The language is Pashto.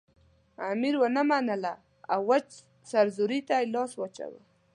امیر ونه منله او وچ سرزوری ته لاس واچاوه.